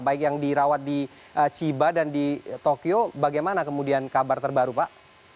baik yang dirawat di chiba dan di tokyo bagaimana kemudian kabar terbaru pak